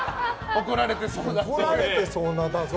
怒られてそうなだぞ。